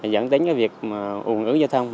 dẫn đến cái việc ủng ứng giao thông